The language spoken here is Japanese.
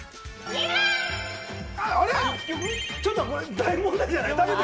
ちょっと大問題じゃない。